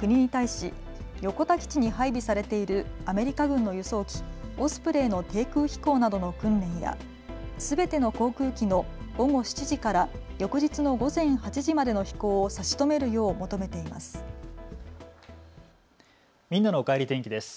国に対し、横田基地に配備されているアメリカ軍の輸送機、オスプレイの低空飛行などの訓練やすべての航空機の午後７時から翌日の午前８時までの飛行を差し止めるよう求めています。